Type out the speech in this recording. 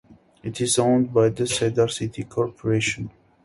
It is owned by the Cedar City Corporation.